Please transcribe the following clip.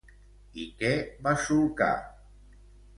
I què va solcar?